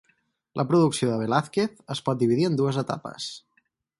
La producció de Velázquez es pot dividir en dues etapes.